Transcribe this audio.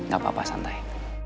gak apa apa santai